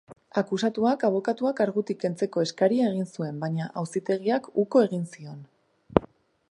Akusatuak abokatua kargutik kentzeko eskaria egin zuen, baina auzitegiak uko egin zion.